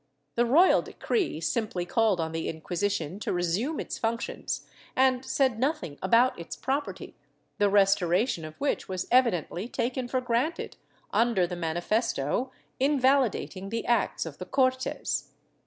The royal decree simply called on the Inquisition to resume its functions and said nothing about its property, the restoration of which was evidently taken for granted, under the manifesto invalidating the acts of the Cortes.